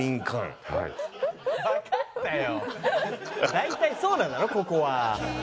大体そうなんだろここは。